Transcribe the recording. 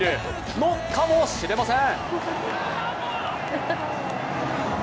のかもしれません。